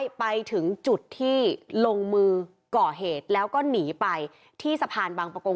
ไปถึงจุดที่ลงมือก่อเหตุแล้วก็หนีไปที่สะพานบางประกง